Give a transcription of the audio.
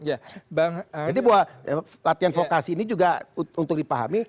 jadi buat latihan vokasi ini juga untuk dipahami